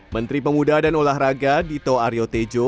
menteri pemuda dan olahraga dito aryo tejo